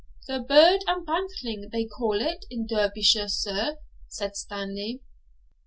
'The bird and bantling they call it in Derbyshire, sir,' said Stanley.